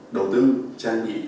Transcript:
đầu tư trang bị